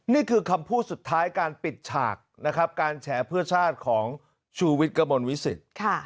นี่คือคำพูดสุดท้ายการปิดฉากนะครับการแฉเพื่อชาติของชูวิทย์กระมวลวิสิต